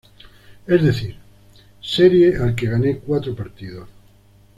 Es decir, serie al que gane cuatro partidos.